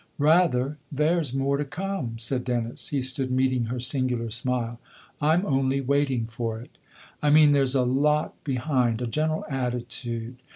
" Rather there's more to come !" said Dennis. He stood meeting her singular smile. " I'm only waiting for it." " I mean there's a lot behind a general attitude.